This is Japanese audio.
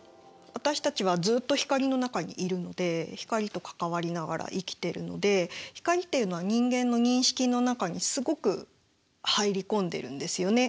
私たちはずっと光の中にいるので光と関わりながら生きてるので光っていうのは人間の認識の中にすごく入り込んでるんですよね。